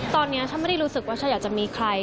ตอนนี้ฉันไม่ได้รู้สึกว่าฉันอยากจะมีใคร